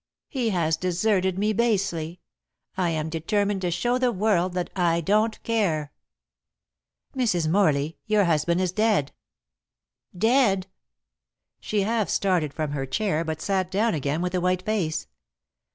He has deserted me basely. I am determined to show the world that I don't care." "Mrs. Morley, your husband is dead." "Dead!" She half started from her chair, but sat down again with a white face.